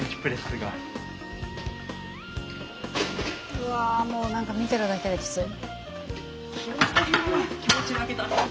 うわもう何か見てるだけできつい。